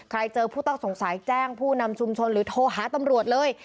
เจอผู้ต้องสงสัยแจ้งผู้นำชุมชนหรือโทรหาตำรวจเลย